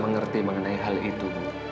mengerti mengenai hal itu